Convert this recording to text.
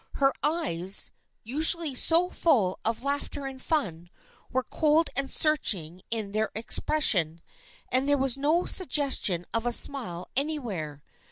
Her eyes, usually so full of laughter and fun, were cold and searching in their expression, and there was no suggestion of a smile anywhere.